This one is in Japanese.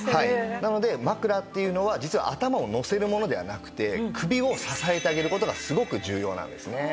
なので枕っていうのは実は頭を乗せるものではなくて首を支えてあげる事がすごく重要なんですね。